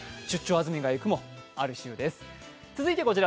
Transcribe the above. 安住がいく」もあるそうです。